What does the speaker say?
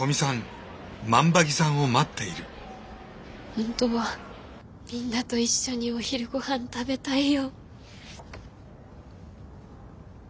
ほんとはみんなと一緒にお昼ごはん食べたいよ。